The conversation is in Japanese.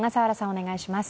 お願いします。